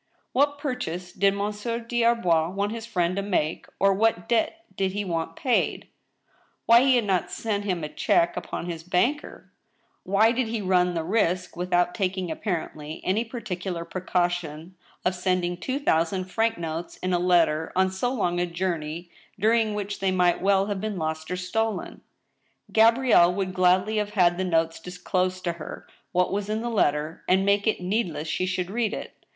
What |>urchase did Monsieur des Arbois want his friend to make, or what debt did he want paid ? Why he had not sent him a check upon his banker ? Why did he run the risk, without taking appar ently any particular precaution, of sending two thousand franc notes in a letter on so long a journey, during which they might well have been lost or stolen } Gabrielle would gladly have had the notes disclose to her what was in the letter, and make it needless she should read it.